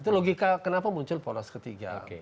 itu logika kenapa muncul poros ketiga